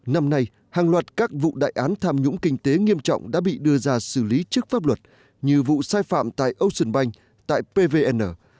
năm nay hàng loạt các vụ đại án tham nhũng kinh tế nghiêm trọng đã bị đưa ra xử lý trước pháp luật như vụ sai phạm tại ocean bank tại pvn